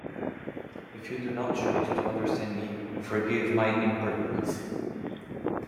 If you do not choose to understand me, forgive my impertinence.